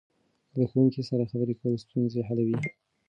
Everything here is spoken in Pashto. له ښوونکي سره خبرې کول ستونزې حلوي.